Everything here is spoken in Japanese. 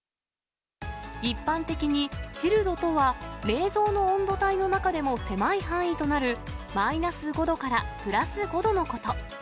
一般的にチルドとは、冷蔵の温度帯の中でも狭い範囲となるマイナス５度からプラス５度のこと。